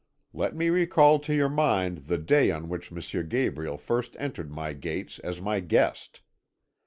Let me recall to your mind the day on which M. Gabriel first entered my gates as my guest.